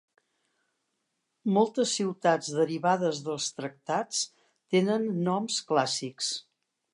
Moltes ciutats derivades dels tractats tenen noms clàssics.